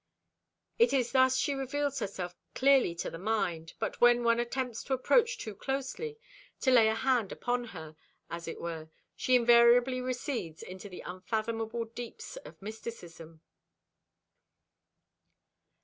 It is thus she reveals herself clearly to the mind, but when one attempts to approach too closely, to lay a hand upon her, as it were, she invariably recedes into the unfathomable deeps of mysticism.